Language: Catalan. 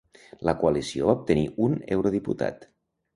La coalició va obtenir un eurodiputat.